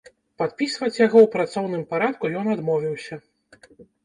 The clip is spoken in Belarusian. Падпісваць яго ў працоўным парадку ён адмовіўся.